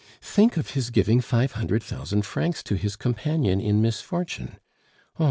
"Think of his giving five hundred thousand francs to his companion in misfortune! Oh!